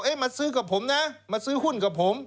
มาซื้อกับผมนะมาซื้อหุ้นกับผม